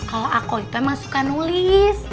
kalau aku itu emang suka nulis